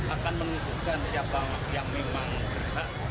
akan menentukan siapa yang memang berhak